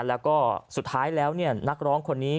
แล้วก็สุดท้ายแล้วนักร้องคนนี้